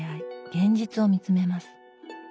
現実を見つめます。